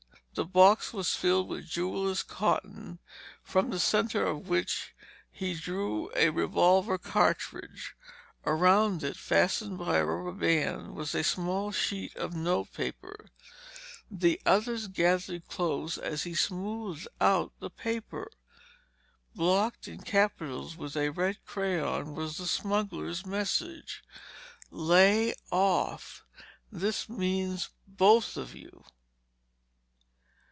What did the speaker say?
The box was filled with jeweler's cotton, from the center of which he drew a revolver cartridge. Around it, fastened by a rubber band, there was a small sheet of note paper. The others gathered close as he smoothed out the paper. Blocked in capitals with a red crayon was the smugglers' message. "LAY OFF! THIS MEANS BOTH OF YOU."